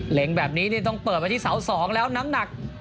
เห็งแบบนี้ต้องเปิดไว้ที่เสา๒แล้วน้ำหนัก